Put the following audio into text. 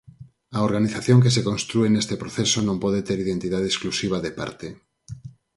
A organización que se constrúe neste proceso non pode ter identidade exclusiva de parte.